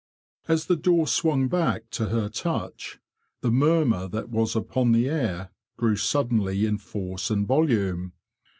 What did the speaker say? As the door swung back to her touch, the murmur that was upon the air grew suddenly in force and volume.